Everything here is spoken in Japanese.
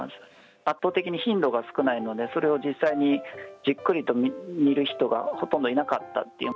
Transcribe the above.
圧倒的に頻度が少ないので、それを実際に、じっくりと見る人がほとんどいなかった。